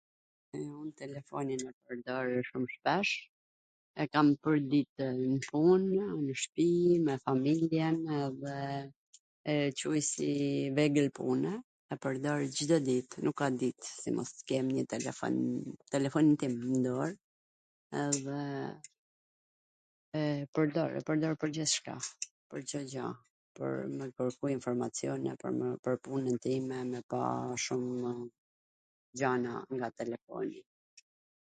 Un telefoinin e pwrdorw shum shpesh, e kam pwrditw nw pun, kur jam nw shpi, me familjen edhe e quj si vegwl pune, e pwrdor Cdo dit, nuk ka dit qw t mos kem njw telefon me ... telefonin tim n dor, edhe e pwrdor, e pwrdor pwr gjithCka, pwr Cdo gja, pwr me kwrku informacion pwr punwn time me ba shumw gjana nga telefoni.